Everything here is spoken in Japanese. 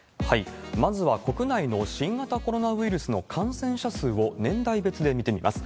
まずは国内の新型コロナウイルスの４４、年代別で見てみます。